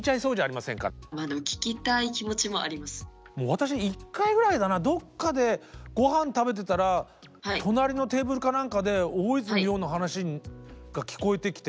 私１回ぐらいだなどっかでごはん食べてたら隣のテーブルか何かで大泉洋の話が聞こえてきて。